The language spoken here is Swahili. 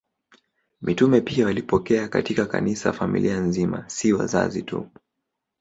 Mitume pia walipokea katika Kanisa familia nzima, si wazazi tu.